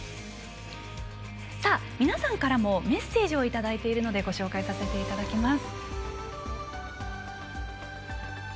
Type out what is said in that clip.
皆さんからもメッセージをいただいているのでご紹介させていただきます。